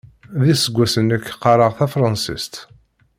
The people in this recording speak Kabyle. D iseggasen nekk qqareɣ tafransist.